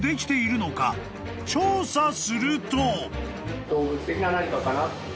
［調査すると］